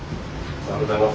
・おはようございます。